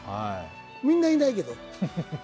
みんないないけど。